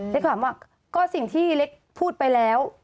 ถามว่าก็สิ่งที่เล็กพูดไปแล้ว